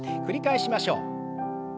繰り返しましょう。